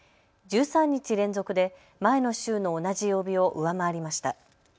１３日連続で前の週の同じ曜日を上回りました。